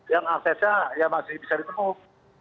yang aksesnya ya masih bisa ditemukan